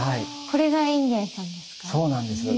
これが隠元さんですか？